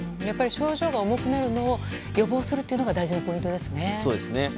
やっぱり症状が重くなるのを予防するのが大事なポイントですね。